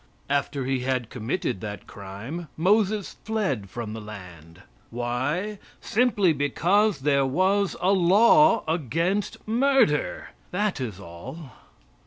After he had committed that crime Moses fled from the land. Why? Simply because there was a law against murder. That is all.